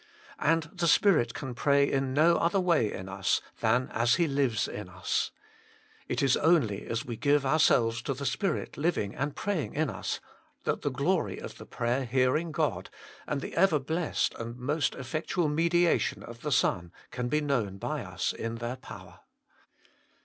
And the Spirit can pray in no other way in us, than as He lives in us. It is only as we give ourselves to the Spirit living and THE SPIRIT OF SUPPLICATION 123 praying in us, that the glory of the prayer hearing God, and the ever blessed and most effectual mediation of the Son, can be known by us in their power.